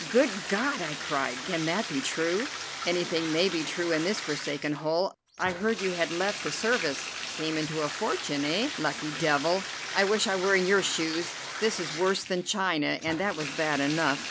"Good God!" I cried. "Can that be true?" "Anything may be true in this forsaken hole. I heard you had left the service. Came into a fortune, eh? Lucky devil! I wish I were in your shoes! This is worse than China, and that was bad enough.